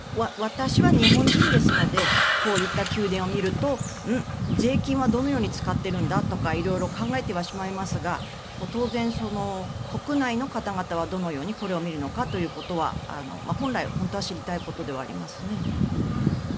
私は日本人ですのでこういった宮殿を見るとん、税金はどのように使っているんだ？とか色々考えてはしまいますが当然、国内の方々はどのようにこれを見るのかというところは本来、本当は知りたいことではありますね。